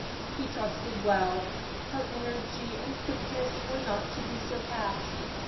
He trusted well. Her energy and quickness were not to be surpassed.